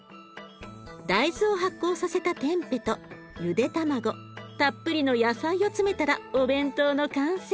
大豆を発酵させたテンペとゆで卵たっぷりの野菜を詰めたらお弁当の完成。